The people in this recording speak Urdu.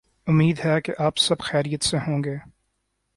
امید ہے کہ آپ سب خیریت سے ہوں گے۔